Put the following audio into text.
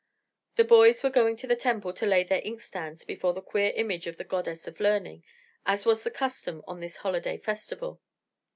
The boys were going to the temple to lay their inkstands before the queer image of the Goddess of Learning, as was the custom on this holiday festival.